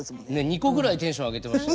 ２個ぐらいテンション上げてました。